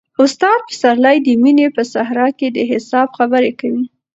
استاد پسرلی د مینې په صحرا کې د حساب خبره کوي.